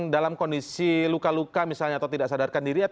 dalam kondisi luka luka misalnya atau tidak sadarkan diri